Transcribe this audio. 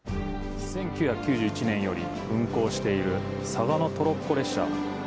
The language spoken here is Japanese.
１９９１年より運行している嵯峨野トロッコ列車。